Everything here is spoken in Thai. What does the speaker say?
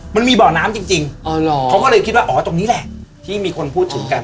มันมีบ่อน้ำจริงเขาก็เลยคิดว่าอ๋อตรงนี้แหละที่มีคนพูดถึงกัน